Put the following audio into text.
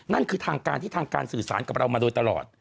นั่นคือทางการที่ทางการสื่อสารกับเรามาโดยตลอด